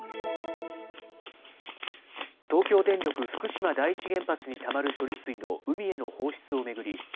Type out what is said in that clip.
東京電力福島第一原発にたまる処理水の海への放出を巡り